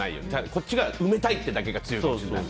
こっちが埋めたいっていうのが強いかもしれない。